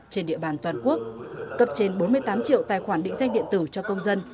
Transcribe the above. trên địa bàn toàn quốc cấp trên bốn mươi tám triệu tài khoản định danh điện tử cho công dân